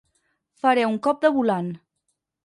Faré un cop de volant.